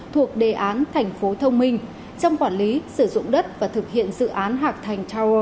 thuộc đề án thành phố thông minh trong quản lý sử dụng đất và thực hiện dự án hạc thành tower